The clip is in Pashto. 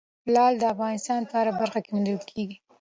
لعل د افغانستان په هره برخه کې موندل کېږي.